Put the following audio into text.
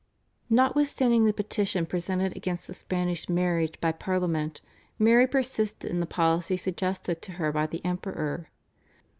Notwithstanding the petition presented against the Spanish marriage by Parliament, Mary persisted in the policy suggested to her by the Emperor.